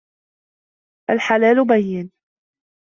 الْحَلَالُ بَيِّنٌ